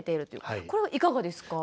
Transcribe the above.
これはいかがですか？